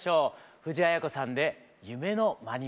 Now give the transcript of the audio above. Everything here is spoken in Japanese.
藤あや子さんで「夢のまにまに」。